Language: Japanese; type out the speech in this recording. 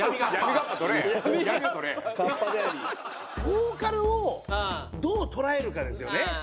ボーカルをどう捉えるかですよね。